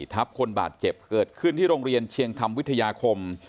ทับคนบาดเจ็บเกิดขึ้นที่โรงเรียนเชียงคำวิทยาคม